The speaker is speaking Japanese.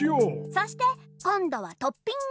そしてこんどはトッピング。